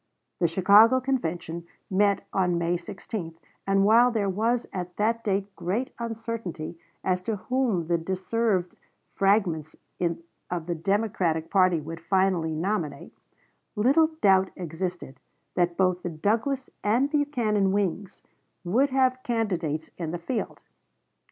The Chicago Convention met on May 16; and while there was at that date great uncertainty as to whom the dissevered fragments of the Democratic party would finally nominate, little doubt existed that both the Douglas and Buchanan wings would have candidates in the field.